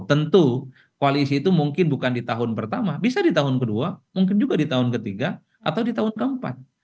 tentu koalisi itu mungkin bukan di tahun pertama bisa di tahun kedua mungkin juga di tahun ketiga atau di tahun keempat